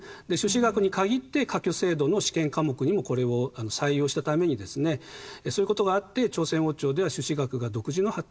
朱子学に限って科挙制度の試験科目にもこれを採用したためにですねそういうことがあって朝鮮王朝では朱子学が独自の発展を遂げました。